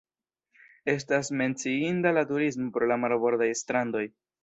Estas menciinda la turismo pro la marbordaj strandoj.